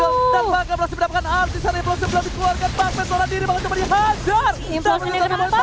dan bang pen berhasil mendapatkan artisan implosif